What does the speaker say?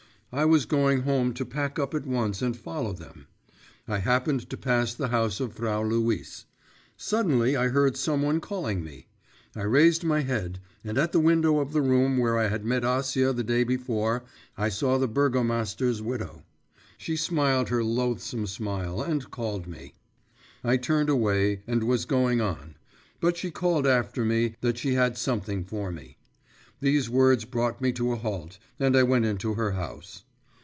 I was going home to pack up at once and follow them. I happened to pass the house of Frau Luise.… Suddenly I heard some one calling me. I raised my head, and at the window of the very room where I had met Acia the day before, I saw the burgomaster's widow. She smiled her loathsome smile, and called me. I turned away, and was going on; but she called after me that she had something for me. These words brought me to a halt, and I went into her house.